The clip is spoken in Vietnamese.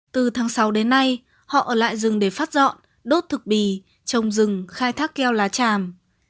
từ tháng sáu đến nay họ ở lại rừng để phát dọn đốt thực bì trồng rừng khai thác keo lá tràm